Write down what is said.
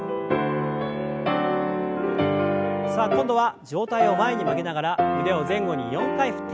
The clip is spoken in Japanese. さあ今度は上体を前に曲げながら腕を前後に４回振って。